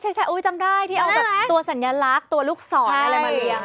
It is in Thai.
ใช่จำได้ที่เอาแบบตัวสัญลักษณ์ตัวลูกศรอะไรมาเลี้ยง